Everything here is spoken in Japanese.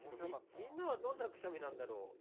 みんなはどんなくしゃみなんだろう？